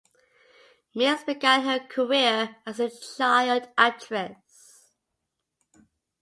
Mills began her career as a child actress.